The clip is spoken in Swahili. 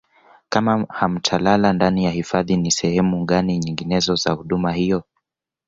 kama hamtalala ndani ya hifadhi ni sehemu gani nyinginezo za huduma hiyo